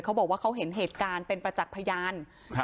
เขาบอกว่าเขาเห็นเหตุการณ์เป็นประจักษ์พยานครับ